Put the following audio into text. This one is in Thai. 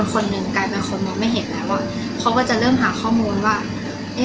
คนหนึ่งกลายเป็นคนมองไม่เห็นแล้วว่าเขาก็จะเริ่มหาข้อมูลว่าเอ๊ะ